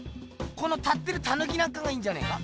この立ってるタヌキなんかがいいんじゃねえか。